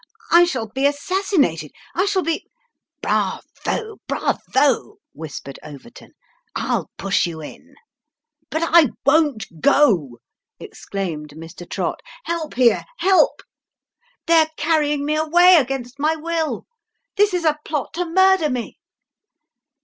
" I shall be assassinated I shall be "" Bravo, bravo," whispered Overton. " I'll push you in." "But I won't go," exclaimed Mr. Trott. "Help here, help! They're carrying me away against my will. This is a plot to murder me."